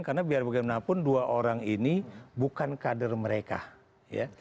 karena biar bagaimanapun dua orang ini bukan kader mereka ya